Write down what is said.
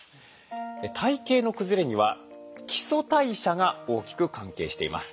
体形のくずれには基礎代謝が大きく関係しています。